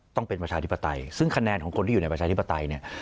ประชาธิปไตยซึ่งคะแนนของคนที่อยู่ในประชาธิปไตยเนี่ย